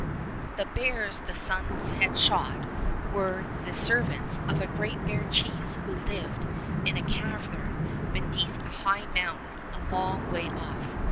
The bears the sons had shot were the ser vants of a great bear chief who lived in a cavern beneath a high mountain a long way off.